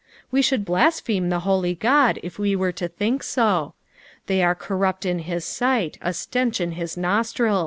We should blaspheme the holy God if we were to think so. They are corrupt in bis sight, a stench in his nostriU.